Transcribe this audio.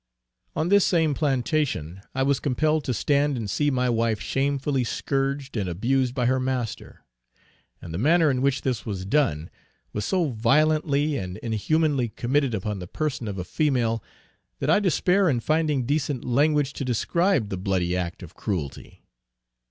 On this same plantation I was compelled to stand and see my wife shamefully scourged and abused by her master; and the manner in which this was done, was so violently and inhumanly committed upon the person of a female, that I despair in finding decent language to describe the bloody act of cruelty.